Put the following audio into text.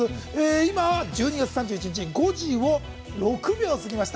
今、１２月３１日５時を６秒過ぎました。